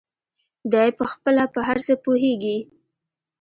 دى پخپله په هر څه پوهېږي.